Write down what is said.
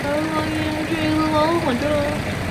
然而也不是所有地震都能观测到明显的表面波。